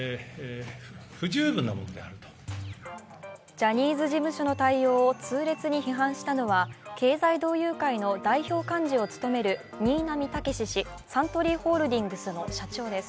ジャニーズ事務所の対応を痛烈に批判したのは、経済同友会の代表幹事を務める新浪剛史氏、サントリーホールディングスの社長です。